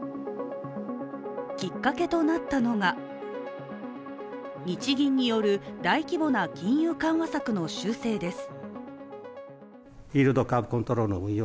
きっかけとなったのが、日銀による大規模な金融緩和策の修正です。